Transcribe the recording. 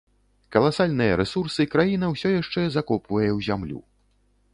Каласальныя рэсурсы краіна ўсё яшчэ закопвае ў зямлю.